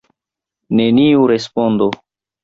Neniu respondo!